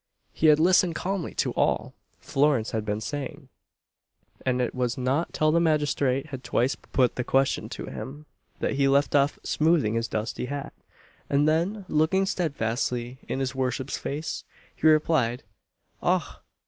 He had listened calmly to all Florence had been saying, and it was not till the magistrate had twice put the question to him, that he left off smoothing his dusty hat, and then, looking steadfastly in his worship's face, he replied, "Och!